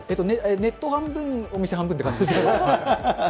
ネット半分、お店半分って感楽しいですからね。